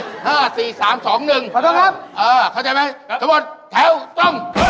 ประเทศครับเออเข้าใจไหมสมบัติแถวต้ง